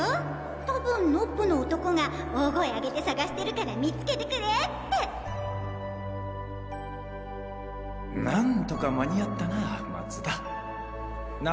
「多分ノッポの男が大声あげて捜してるから見つけてくれ」ってなんとか間に合ったな松田な？